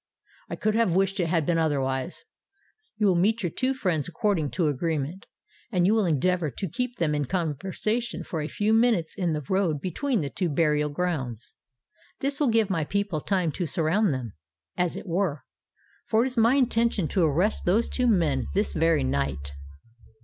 "I could have wished it had been otherwise. However, you will meet your two friends according to agreement; and you will endeavour to keep them in conversation for a few minutes in the road between the two burial grounds. This will give my people time to surround them, as it were: for it is my intention to arrest those two men this very night."